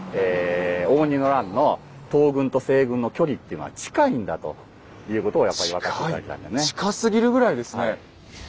応仁の乱の東軍と西軍の距離っていうのは近いんだということをやっぱり分かって頂きたいんでね。